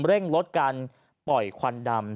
เร่งลดการปล่อยควันดำ